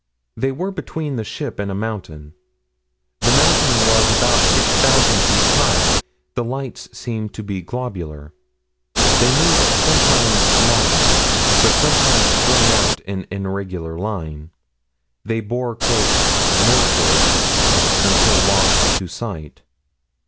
They were between the ship and a mountain. The mountain was about 6,000 feet high. The lights seemed to be globular. They moved sometimes massed, but sometimes strung out in an irregular line. They bore "northward," until lost to sight.